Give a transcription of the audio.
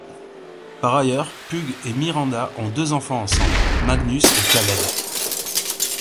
Par ailleurs, Pug et Miranda ont deux enfants ensemble: Magnus et Caleb.